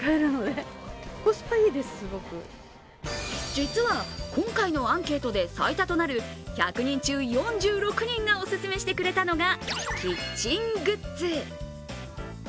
実は今回のアンケートで最多となる１００人中４６人がオススメしてくれたのが、キッチングッズ。